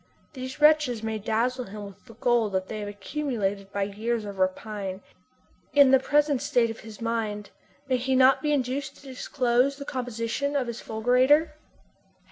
These wretches may dazzle him with the gold that they have accumulated by years of rapine. In the present state of his mind may he not be induced to disclose the composition of his fulgurator?